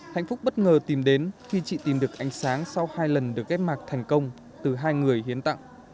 hạnh phúc bất ngờ tìm đến khi chị tìm được ánh sáng sau hai lần được ghép mạc thành công từ hai người hiến tặng